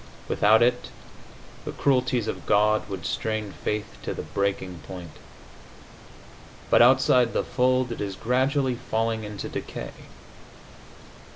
Without it the cruelties of God would strain faith to the breaking point. But outside the fold it is gradually falling into decay.